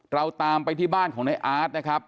เราตามไปที่บ้านของในอาร์ตนะครับ